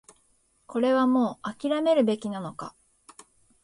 これはもう諦めるべきなのか